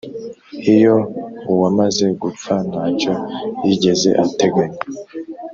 Iyo uwamaze gupfa ntacyo yigeze ateganya